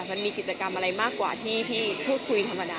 มันมีกิจกรรมอะไรมากกว่าที่พูดคุยธรรมดา